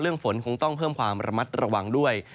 ฝนคงต้องเพิ่มความระมัดระวังด้วย